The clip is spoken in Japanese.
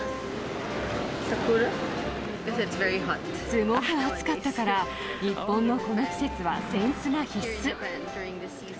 すごく暑かったから、日本のこの季節は扇子が必須。